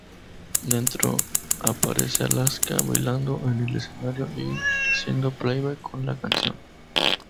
Dentro aparece Alaska bailando en el escenario y haciendo playback con la canción.